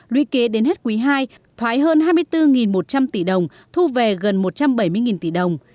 luy kế đến hết quý ii thoái hơn hai mươi bốn một trăm linh tỷ đồng thu về gần một trăm bảy mươi tỷ đồng